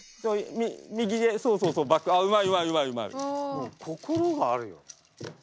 もう心があるよね。